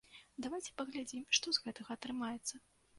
Давайце паглядзім, што з гэтага атрымаецца.